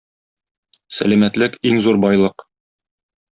Сәламәтлек - иң зур байлык.